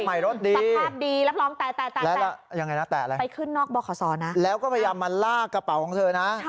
รถใหม่รถดีสภาพดีรับรองแตะไปขึ้นนอกบขศนะแล้วก็พยายามมาลากกระเป๋าของเธอนะ